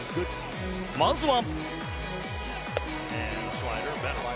まずは。